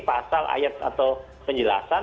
pasal ayat atau penjelasan